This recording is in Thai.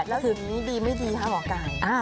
คลิกดีไม่ดีบอกก่อน